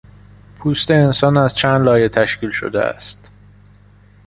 پوست انسان از چند لایه تشکیل شده است.